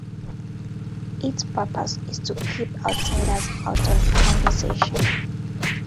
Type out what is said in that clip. Its purpose is to keep outsiders out of the conversation.